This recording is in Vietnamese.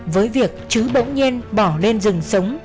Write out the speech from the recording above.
với việc trứ bỗng nhiên bỏ lên rừng sống